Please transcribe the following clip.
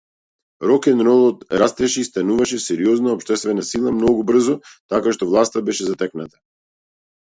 Рокенролот растеше и стануваше сериозна општествена сила многу брзо, така што власта беше затекната.